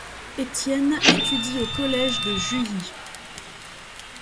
Étienne étudie au Collège de Juilly.